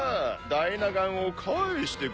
ダイナ岩を返してくださいよ。